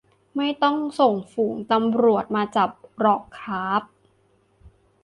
ไม่ต้องส่งฝูงตำรวจมาจับหรอกค้าบ